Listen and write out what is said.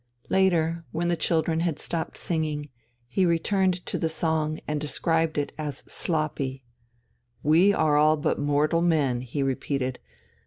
Later, when the children had stopped singing, he returned to the song and described it as "sloppy." "We are all but mortal men," he repeated.